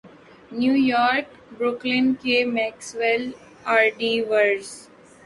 new York Brooklyn کے Maxwell آرڈی was